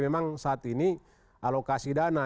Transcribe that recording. memang saat ini alokasi dana